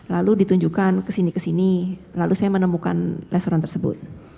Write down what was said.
lalu ditunjukkan kesini kesini lalu saya menemukan restoran tersebut